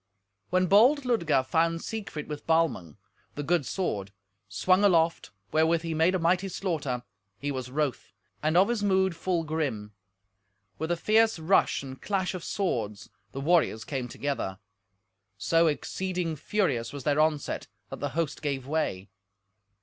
When bold Ludger found Siegfried with Balmung, the good sword, swung aloft, wherewith he made a mighty slaughter, he was wroth, and of his mood full grim. With a fierce rush and clash of swords the warriors came together. So exceeding furious was their onset that the host gave way.